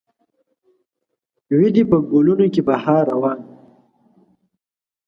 وي دې په ګلونو کې بهار روان